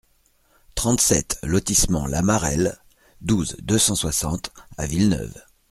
trente-sept lotissement La Marelle, douze, deux cent soixante à Villeneuve